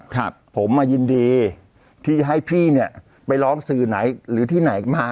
ครับผมมายินดีที่ให้พี่เนี้ยไปร้องสื่อไหนหรือที่ไหนมา